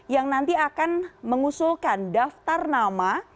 yang nanti akan mengusulkan daftar nama